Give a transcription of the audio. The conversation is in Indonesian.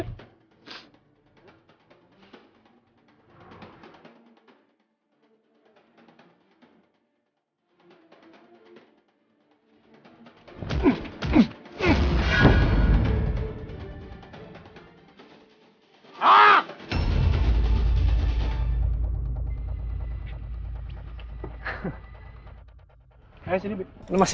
gampang gak itu temen semuanya